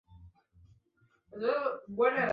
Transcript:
ni kwa kiongozi kuitumia siasa kama nyenzo